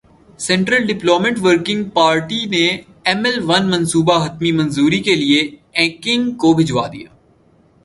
central development working party نے M L one منصوبہ حتمی منظوری کیلئے ایکنک کو بھجوادیا